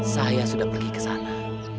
saya sudah pergi ke sana